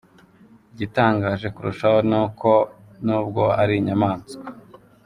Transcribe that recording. Igitangaje kurushaho ni uko nubwo ari inyamaswa.